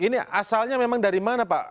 ini asalnya memang dari mana pak